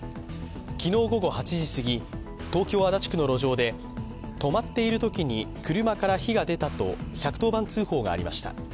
昨日午後８時すぎ、東京・足立区の路上で止まっているときに車から火が出たと１１０番通報がありました